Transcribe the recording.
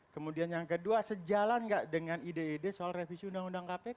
kemudian yang kedua sejalan nggak dengan ide ide soal revisi undang undang kpk